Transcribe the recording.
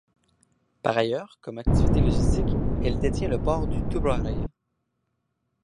Par ailleurs, comme activité logistique, elle détient le Port de Tubarão.